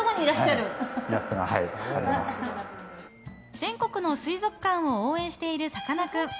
全国の水族館を応援しているさかなクン。